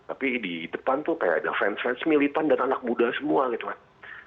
tapi di depan tuh kayak ada fans fans militan dan anak muda semua gitu kan